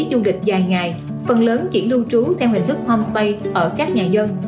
đi du lịch vài ngày phần lớn chuyển lưu trú theo hình thức homestay ở các nhà dân